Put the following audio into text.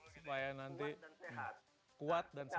supaya nanti kuat dan sehat